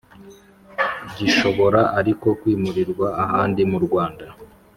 Gishobora ariko kwimurirwa ahandi mu rwanda